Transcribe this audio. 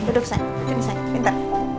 duduk say duduk say bentar